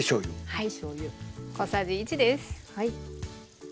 はい。